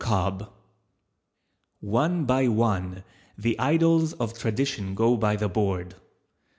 COBB One by one the idols of tradition go by the board.